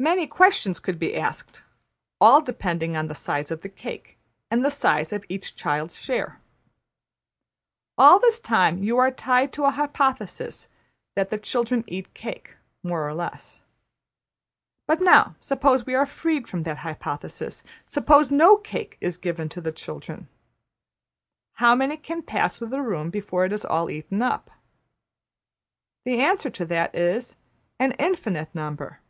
Many questions could be asked, all depending on the size of the cake and the size of each child's share. All this time you are tied to an hypothesis that the children eat cake (more or less). But now suppose we are freed from that hypothesis. Suppose no cake is given to the children. How many can pass through the room before it is all eaten up? The answer to that is: ``An infinite number.''